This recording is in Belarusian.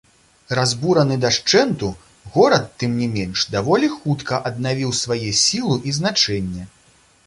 Разбураны дашчэнту, горад, тым не менш, даволі хутка аднавіў свае сілу і значэнне.